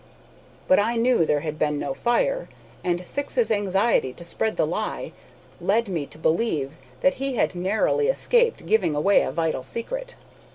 But I knew there had been no fire, and Syx's anxiety to spread the lie led me to believe that he had narrowly escaped giving away a vital secret.